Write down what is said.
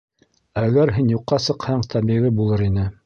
Әгәр һин юҡҡа сыҡһаң, тәбиғи булыр ине.